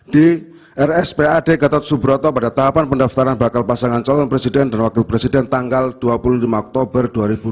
di rspad gatot subroto pada tahapan pendaftaran bakal pasangan calon presiden dan wakil presiden tanggal dua puluh lima oktober dua ribu dua puluh